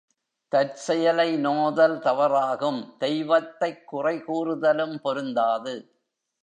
தற்செயலை நோதல் தவறாகும், தெய்வத்தைக் குறைகூறுதலும் பொருந்தாது.